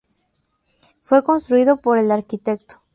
Fue construido por el Arq.